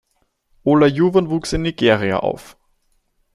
Olajuwon wuchs in Nigeria auf.